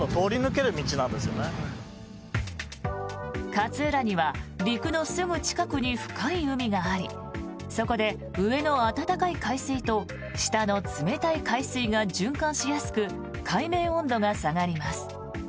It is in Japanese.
勝浦には陸のすぐ近くに深い海がありそこで上の暖かい海水と下の冷たい海水が循環しやすく海面温度が下がります。